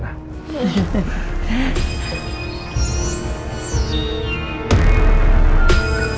makan yang banyak rena